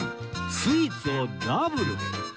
スイーツをダブルで